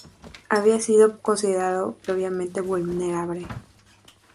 Había sido considerado previamente vulnerable.